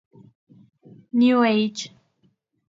New Age.